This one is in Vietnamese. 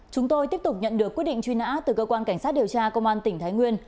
chúng tôi tiếp tục nhận được quyết định truy nã từ cơ quan cảnh sát điều tra công an tỉnh thái nguyên